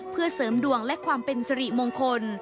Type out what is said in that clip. เพื่อเสริมดวงและความเป็นสิริมงคล